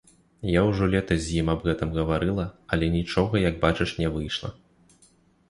Я ўжо летась з ім аб гэтым гаварыла, але нічога, як бачыш, не выйшла.